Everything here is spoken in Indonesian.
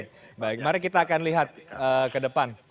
oke baik mari kita akan lihat ke depan